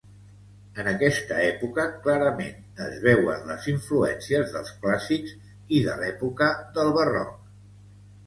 En aquesta època clarament es veuen les influències dels clàssics i de l'època del barroc.